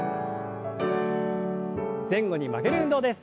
前後に曲げる運動です。